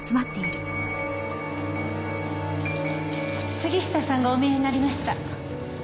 杉下さんがお見えになりました。